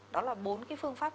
đó là bốn cái phương pháp